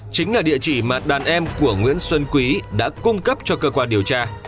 chính là địa chỉ mà đàn em của nguyễn xuân quý đã cung cấp cho cơ quan điều tra